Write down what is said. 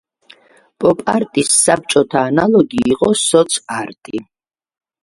პოპ-არტის საბჭოთა ანალოგი იყო სოც-არტი.